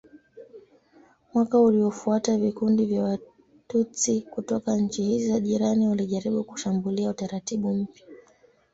Mwaka uliofuata vikundi vya Watutsi kutoka nchi hizi za jirani walijaribu kushambulia utaratibu mpya.